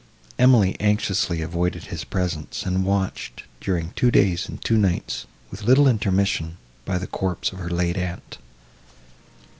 Emily anxiously avoided his presence, and watched, during two days and two nights, with little intermission, by the corpse of her late aunt.